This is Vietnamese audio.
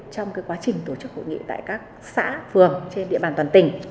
trong quá trình tổ chức hội nghị tại các xã phường trên địa bàn toàn tỉnh